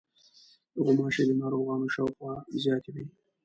غوماشې د ناروغانو شاوخوا زیاتې وي.